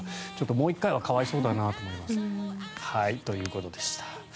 もう１回は可哀想だなと思いますね。ということでした。